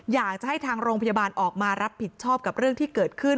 อยากจะให้ทางโรงพยาบาลออกมารับผิดชอบกับเรื่องที่เกิดขึ้น